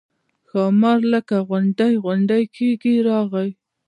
ښامار لکه غونډی غونډی کېږي راغی.